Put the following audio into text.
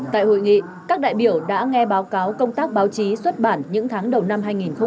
tại hội nghị các đại biểu đã nghe báo cáo công tác báo chí xuất bản những tháng đầu năm hai nghìn hai mươi